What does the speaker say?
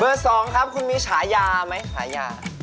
เบอร์สองครับคุณมีฉายาไหมฉายา